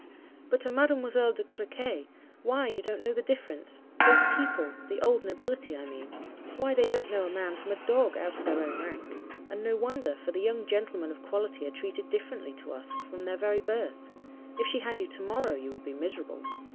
But to Mademoiselle de Crequy, why you don't know the difference! Those people—the old nobility I mean—why they don't know a man from a dog, out of their own rank! And no wonder, for the young gentlemen of quality are treated differently to us from their very birth. If she had you to morrow, you would be miserable.